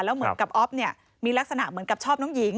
แล้วเหมือนกับอ๊อฟเนี่ยมีลักษณะเหมือนกับชอบน้องหญิง